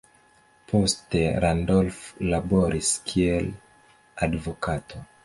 Poste Randolph laboris kiel advokato.